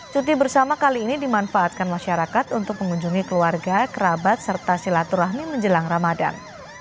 cuti bersama kali ini dimanfaatkan masyarakat untuk mengunjungi keluarga kerabat serta silaturahmi menjelang ramadan